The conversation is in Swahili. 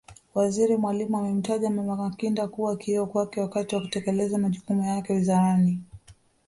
Waziri Mwalimu amemtaja Mama Makinda kuwa kioo kwake wakati wa kutekeleza majukumu yake Wizarani